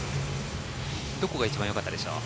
どこが一番良かったでしょう？